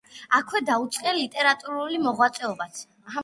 აქვე დაუწყია ლიტერატურული მოღვაწეობაც.